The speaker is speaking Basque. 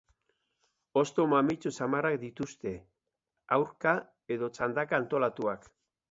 Hosto mamitsu samarrak dituzte, aurka edo txandaka antolatuak.